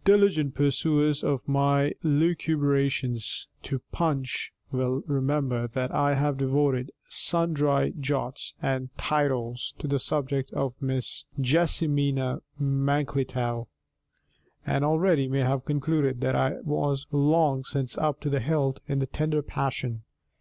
_ Diligent perusers of my lucubrations to Punch will remember that I have devoted sundry jots and tittles to the subject of Miss JESSIMINA MANKLETOW, and already may have concluded that I was long since up to the hilt in the tender passion.